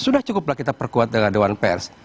sudah cukuplah kita perkuat dengan dewan pers